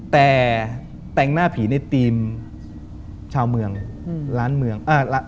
แต่แต่งหน้าผีในทีมชาวเมืองล้านเมือง